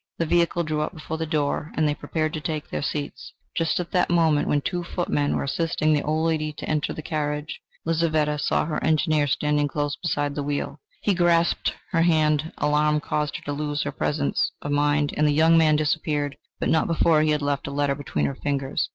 The vehicle drew up before the door, and they prepared to take their seats. Just at the moment when two footmen were assisting the old lady to enter the carriage, Lizaveta saw her Engineer standing close beside the wheel; he grasped her hand; alarm caused her to lose her presence of mind, and the young man disappeared but not before he had left a letter between her fingers.